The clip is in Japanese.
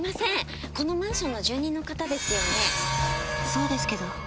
そうですけど。